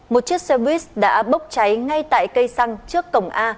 một chiếc xe buýt đã bốc cháy ngay tại cây xăng trước cổng a